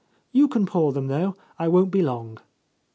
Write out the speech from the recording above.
You can pour them though. I won't be long."